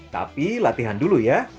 tapi latihan dulu ya